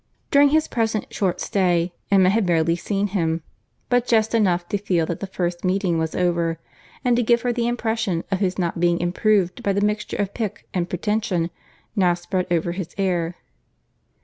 During his present short stay, Emma had barely seen him; but just enough to feel that the first meeting was over, and to give her the impression of his not being improved by the mixture of pique and pretension, now spread over his air.